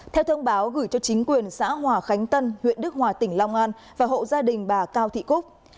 theo thông báo gửi cho chính quyền xã hòa khánh tân huyện đức hòa tỉnh long an và hộ gia đình bà cao thị cúc